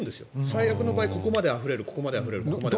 最悪の場合はここまであふれるここまであふれるって。